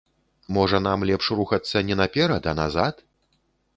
Можа, нам лепш рухацца не наперад, а назад?